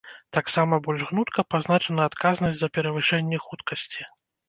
Таксама больш гнутка пазначана адказнасць за перавышэнне хуткасці.